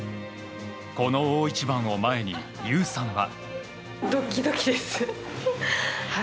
この大一番を前に優さんは。